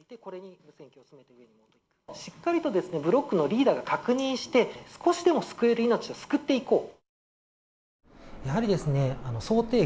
しっかりとブロックのリーダーが確認して少しでも救える命を救っていこう。